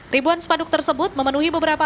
ribuan spanduk tersebut memenuhi beberapa